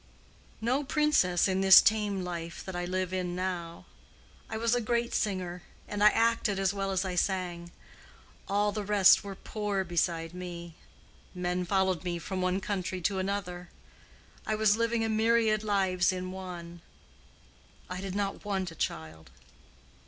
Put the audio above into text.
"No princess in this tame life that I live in now. I was a great singer, and I acted as well as I sang. All the rest were poor beside me. Men followed me from one country to another. I was living a myriad lives in one. I did not want a child."